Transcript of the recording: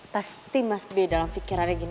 pasti mas b dalam pikirannya gini